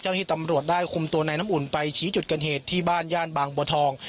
ที่ตำรวจได้คุมตัวนายน้ำอุ่นไปชี้จุดเกิดเหตุที่บ้านย่านบางบัวทอง